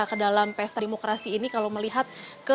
dan saya juga berharap dalam pesta demokrasi ini kalau melihat